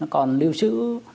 còn lưu trữ